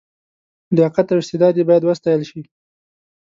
لیاقت او استعداد یې باید وستایل شي.